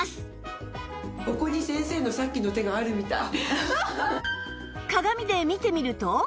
ここに先生のさっきの手があるみたい！